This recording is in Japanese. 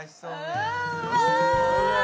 うわ